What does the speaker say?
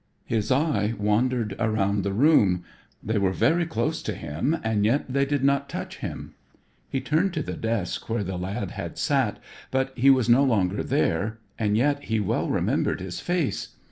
His eye wandered around the room. They were very close to him and yet they did not touch him. He turned to the desk where the lad had sat, but he was no longer there and yet he well remembered his face.